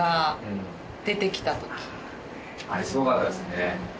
あれすごかったですね。